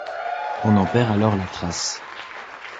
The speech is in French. On en perd alors la trace.